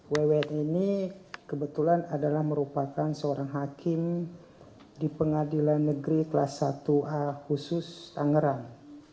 wwn ini kebetulan adalah merupakan seorang hakim di pengadilan negeri kelas satu a khusus tangerang